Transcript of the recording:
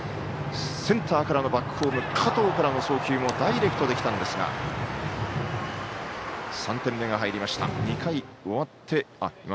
センターからのバックホーム加藤からの送球もダイレクトできたんですが３点目が入りました。